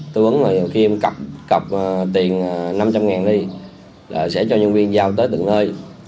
tư vấn là khi em cập tiền năm trăm linh ngàn đi sẽ cho nhân viên giao tới từng nơi